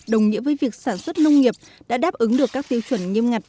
đồng nghĩa với việc sản xuất nông nghiệp đã đáp ứng được các tiêu chuẩn nghiêm ngặt